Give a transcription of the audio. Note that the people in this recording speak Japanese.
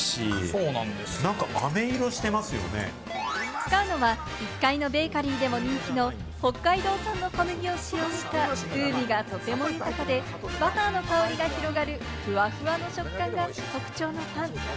使うのは１階のベーカリーでも人気の北海道産の小麦を使用した、風味がとても豊かで、バターの香りが広がる、ふわふわの食感が特徴のパン。